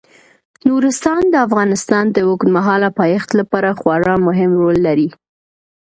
نورستان د افغانستان د اوږدمهاله پایښت لپاره خورا مهم رول لري.